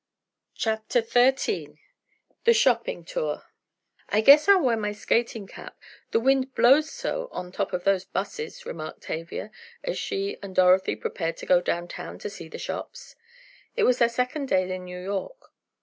CHAPTER XIII THE SHOPPING TOUR "I guess I'll wear my skating cap, the wind blows so on top of those 'buses," remarked Tavia, as she and Dorothy prepared to go downtown to see the shops. It was their second day in New York.